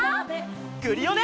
クリオネ！